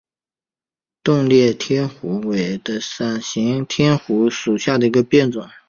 钝裂天胡荽为伞形科天胡荽属下的一个变种。